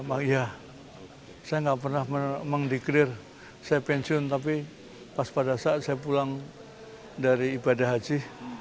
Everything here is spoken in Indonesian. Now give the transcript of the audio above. saya tidak pernah mendekrir saya pensiun tapi pas pada saat saya pulang dari ibadah haji